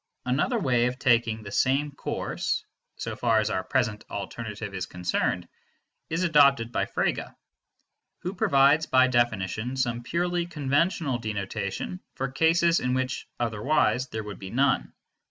Another way of taking the same course (so far as our present alternative is concerned) is adopted by Frege, who provides by definition some purely conventional denotation for the cases in which otherwise there would be none.